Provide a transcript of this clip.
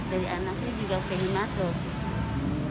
dari anaknya juga pengen masuk